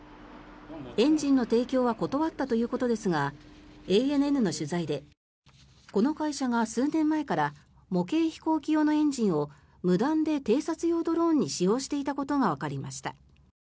エンジンの提供は断ったということですがＡＮＮの取材でこの会社が数年前から模型飛行機用のエンジンを無断で偵察用ドローンに使用していたことがわかりました。